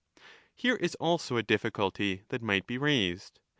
Here is also a difficulty that might be raised.